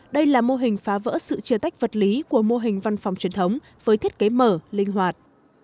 đây là mô hình phá vỡ sự chia tách vật lý của mô hình văn phòng truyền thống với thiết kế mở linh hoạt